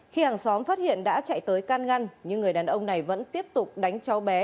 khi hàng xóm phát hiện đã chạy tới can ngăn nhưng người đàn ông này vẫn tiếp tục đánh cháu bé